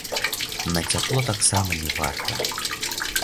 На цяпло таксама не варта.